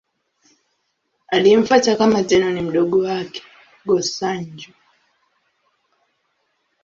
Aliyemfuata kama Tenno ni mdogo wake, Go-Sanjo.